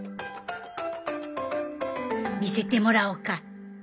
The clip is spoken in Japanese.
見せてもらおうか。